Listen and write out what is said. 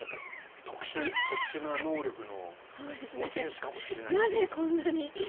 特殊な能力の持ち主かもしれないという。